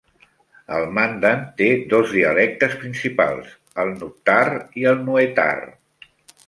El mandan té dos dialectes principals: el nuptare i el nuetare.